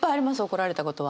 怒られたことは。